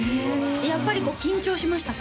やっぱりこう緊張しましたか？